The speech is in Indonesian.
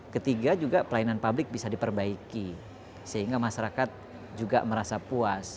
ketiga juga pelayanan publik bisa diperbaiki sehingga masyarakat juga merasa puas